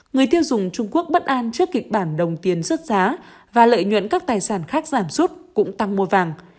người tiêu dùng trung quốc bất an trước kịch bản đồng tiền xuất giá và lợi nhuận các tài sản khác giảm sút cũng tăng mua vàng